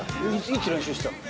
いつ練習したの？